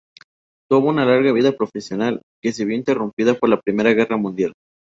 Tuvo una larga vida profesional, que se vio interrumpida por la Primera Guerra Mundial.